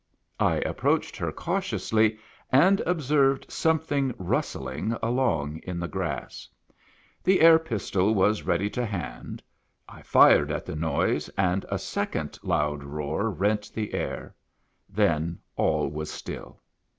I approached her cautiously, and observed some thing rustling along in the grass. The air pistol was ready to hand. I fired at the noise, and a sec ond loud roar rent the air. Then all was still.